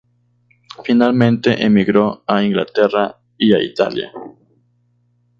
Finalmente emigró a Inglaterra y a Italia.